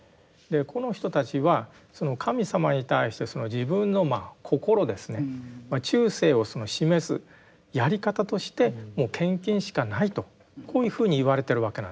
この人たちはその神様に対して自分の心ですね忠誠を示すやり方としてもう献金しかないとこういうふうに言われてるわけなんですね。